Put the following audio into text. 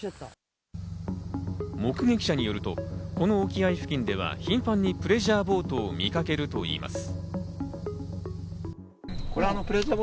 目撃者によると、この沖合付近では頻繁にプレジャーボートを見かけるといいます。